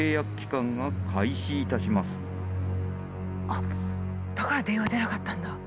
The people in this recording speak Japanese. あっだから電話出なかったんだ。